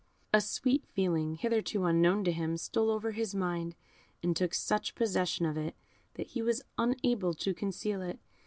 A sweet feeling (hitherto unknown to him) stole over his mind, and took such possession of it that he was unable to conceal it.